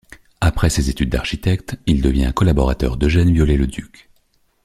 Après ses études d’architecte, il devient un collaborateur d’Eugène Viollet-le-Duc.